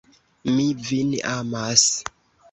Mi vin amas.